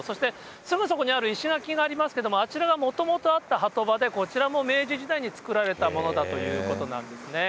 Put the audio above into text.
すぐそこに石垣があるんですけれども、あちらがもともとあった波止場で、こちらは明治時代に作られたものだということなんですね。